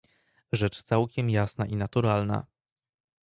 "Rzecz całkiem jasna i naturalna."